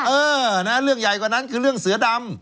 เออนะเรื่องใหญ่กว่านั้นคือเรื่องเสือดำ